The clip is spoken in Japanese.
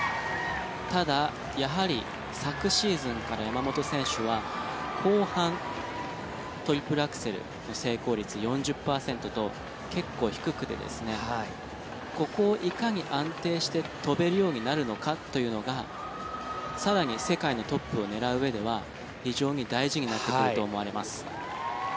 ただ、やはり昨シーズンから山本選手は後半、トリプルアクセルの成功率４０％と結構低くてここをいかに安定して跳べるようになるのかというのが更に世界のトップを狙ううえでは非常に大事なってくると思われます。